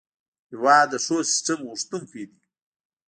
هېواد د ښو سیسټم غوښتونکی دی.